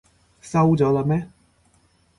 收咗喇咩？